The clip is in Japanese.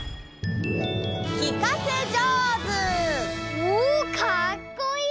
おおかっこいい！